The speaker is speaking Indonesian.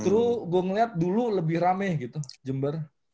terus gue ngeliat dulu lebih rame gitu jember